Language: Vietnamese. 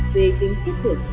về tính tiết kiệm